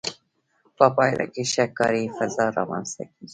په پایله کې ښه کاري فضا رامنځته کیږي.